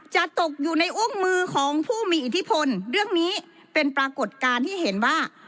จะตกอยู่ในอุ้มมือของผู้มีอิทธิพลเรื่องนี้เป็นปรากฏการณ์ที่เห็นว่า